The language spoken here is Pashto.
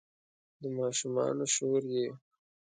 د ماشومانو شور یې